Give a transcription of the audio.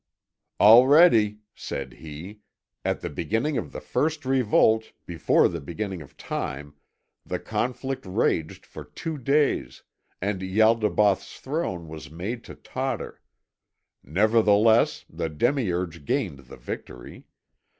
"Already," said he, "at the time of the first revolt, before the beginning of Time, the conflict raged for two days, and Ialdabaoth's throne was made to totter. Nevertheless, the demiurge gained the victory.